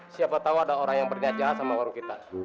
siapa tahu ada orang yang berjajar sama warung kita